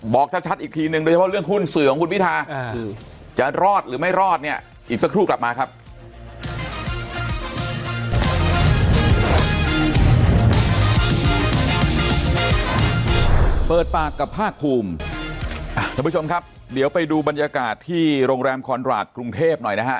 เปิดปากกับภาคภูมิอ่ะทุกผู้ชมครับเดี๋ยวไปดูบรรยากาศที่โรงแรมคอนราชกรุงเทพฯหน่อยนะฮะ